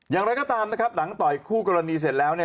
อย่างไรก็ตามนะครับหลังต่อยคู่กรณีเสร็จแล้วเนี่ย